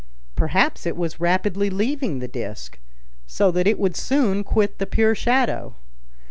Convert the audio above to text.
Perhaps it was rapidly leaving the disc, so that it would soon quit the pure shadow.